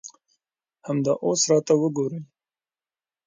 همدا اوس راته وګورئ.